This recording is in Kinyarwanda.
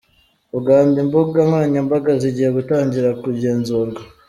Uganda: Imbuga nkoranyambaga zigiye gutangira kugenzurwa.